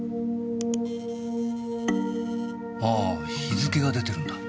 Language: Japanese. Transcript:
あぁ日付が出てるんだ。